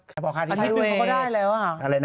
เฉพาะค่าที่พักอาทิตย์หนึ่งเขาก็ได้แล้วอ่ะ